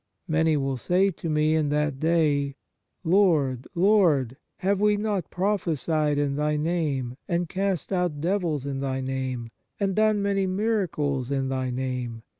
Many will say to Me in that day : Lord, Lord, have we not prophesied in Thy name, and cast out devils in Thy name, and done many miracles in Thy name